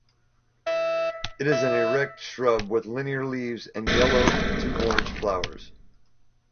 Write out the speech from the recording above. It is an erect shrub with linear leaves and yellow to orange flowers.